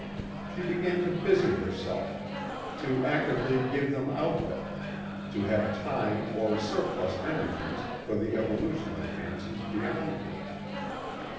She began to busy herself, to actively give them outlet, to have time or surplus energies for the evolution of fancies beyond her.